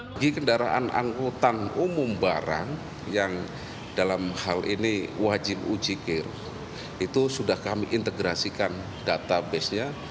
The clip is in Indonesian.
bagi kendaraan angkutan umum barang yang dalam hal ini wajib uji kir itu sudah kami integrasikan databasenya